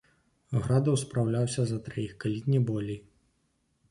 Градаў спраўляўся за траіх, калі не болей.